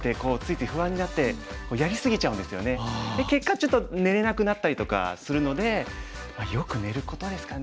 で結果ちょっと寝れなくなったりとかするのでよく寝ることですかね。